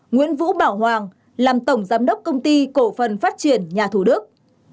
sáu nguyễn vũ bảo hoàng làm tổng giám đốc công ty cổ phần phát triển nhà thủ đức